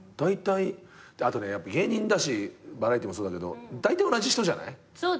あとねやっぱ芸人だしバラエティーもそうだけどだいたい同じ人じゃない？